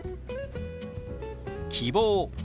「希望」。